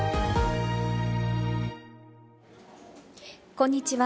こんにちは。